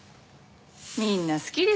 みんな好きですよね